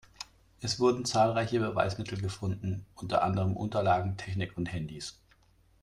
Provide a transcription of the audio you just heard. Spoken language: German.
Es wurden zahlreiche Beweismittel gefunden, unter anderem Unterlagen, Technik und Handys.